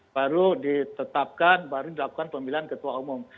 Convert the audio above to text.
baru ditetapkan baru dilakukan pemilihan ketua umum